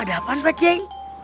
ada apaan pak cik